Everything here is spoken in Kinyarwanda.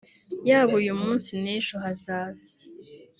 yaba uyu munsi n’ejo hazaza